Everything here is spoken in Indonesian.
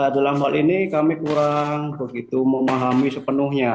dalam hal ini kami kurang begitu memahami sepenuhnya